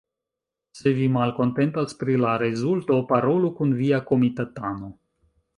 Se vi malkontentas pri la rezulto, parolu kun via komitatano